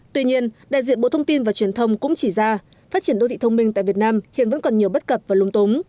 tuy nhiên đại diện bộ thông tin và truyền thông cũng chỉ ra phát triển đô thị thông minh tại việt nam hiện vẫn còn nhiều bất cập và lung túng